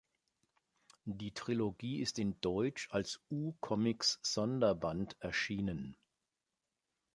Die Trilogie ist in deutsch als U-Comix-Sonderband erschienen.